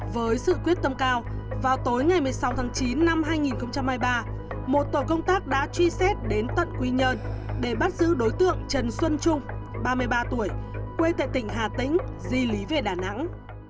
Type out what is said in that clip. với sự quyết tâm cao vào tối ngày một mươi sáu tháng chín năm hai nghìn hai mươi ba một tổ công tác đã truy xét đến tận quy nhơn để bắt giữ đối tượng trần xuân trung ba mươi ba tuổi quê tại tỉnh hà tĩnh di lý về đà nẵng